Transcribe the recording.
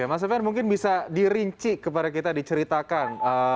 ya mas sofian mungkin bisa dirinci kepada kita diceritakan